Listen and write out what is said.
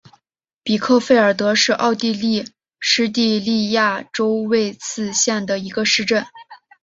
比克费尔德是奥地利施蒂利亚州魏茨县的一个市镇。